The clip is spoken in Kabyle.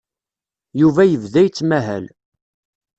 Yuba yebda yettmahal.